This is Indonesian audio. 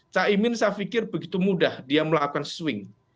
cak imin saya pikir begitu mudah dia melakukan swing